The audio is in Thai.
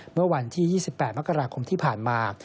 เมื่อวันที่๒๘มกราคมที่ผ่านมา